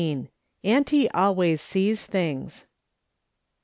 AUNTIE ALWAYS SEES THINGS."